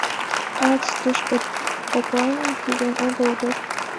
Антс тушко таклан кӱзен огыл дыр.